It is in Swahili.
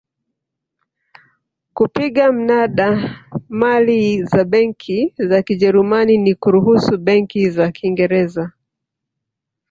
kupiga mnada mali za benki za Kijerumani na kuruhusu benki za Kiingereza